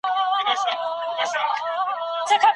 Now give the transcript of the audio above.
ښوونکی زدهکوونکي د ښه انسان جوړېدو ته هڅوي.